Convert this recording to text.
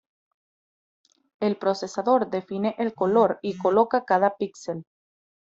El procesador define el color y coloca cada píxel.